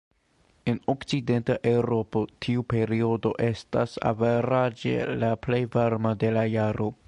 En Okcidenta Eŭropo tiu periodo estas averaĝe la plej varma de la jaro.